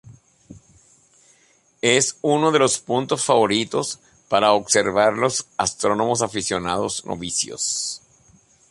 Es uno de los puntos favoritos para observar por los astrónomos aficionados novicios.